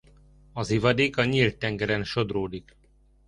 Az ivadék a nyílt tengeren sodródik.